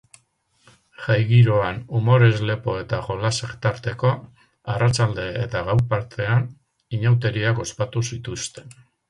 Jai giroan, umorez lepo eta jolasak tarteko, arratsalde eta gau partean, inauteriak ospatu zituzten.